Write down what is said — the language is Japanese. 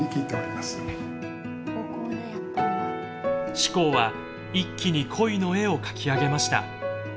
志功は一気にコイの絵を描き上げました。